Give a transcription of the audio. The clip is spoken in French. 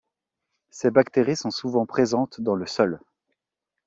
Ces bactéries sont souvent présentes dans le sol.